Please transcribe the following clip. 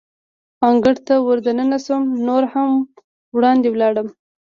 انګړ ته ور دننه شوم، نور هم وړاندې ولاړم.